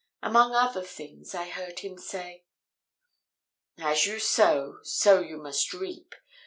Among other things, I heard him say: "As you sow, so you must reap.